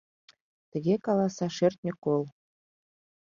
Тыге каласа шӧртньӧ кол: